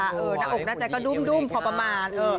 หน้าอกหน้าใจก็ดุ้มพอประมาณ